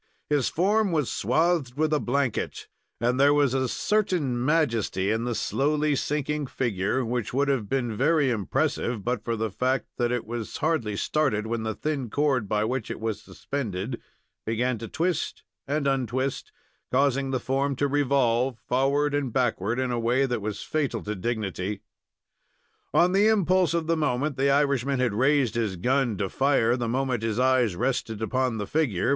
His form was swathed with a blanket, and there was a certain majesty in the slowly sinking figure, which would have been very impressive but for the fact that it was hardly started when the thin cord by which it was suspended began to twist and untwist, causing the form to revolve forward and backward in a way that was fatal to dignity. On the impulse of the moment, the Irishman had raised his gun to fire the moment his eyes rested upon the figure.